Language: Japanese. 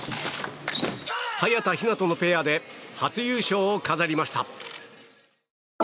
早田ひなとのペアで初優勝を飾りました。